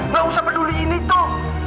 gak usah peduliin itu